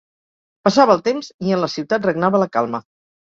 Passava el temps i en la ciutat regnava la calma